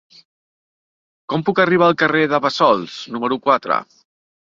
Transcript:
Com puc arribar al carrer de Bassols número quatre?